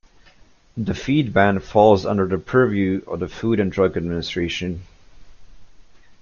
The feed ban falls under the purview of the Food and Drug Administration.